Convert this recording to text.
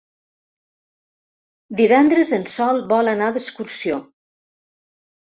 Divendres en Sol vol anar d'excursió.